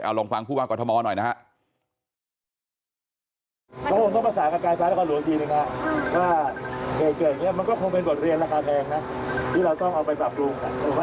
เอาลองฟังผู้บางกับทมหน่อยนะครับ